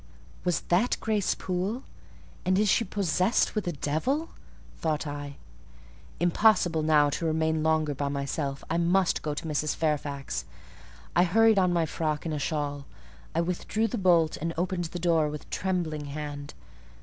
"Was that Grace Poole? and is she possessed with a devil?" thought I. Impossible now to remain longer by myself: I must go to Mrs. Fairfax. I hurried on my frock and a shawl; I withdrew the bolt and opened the door with a trembling hand.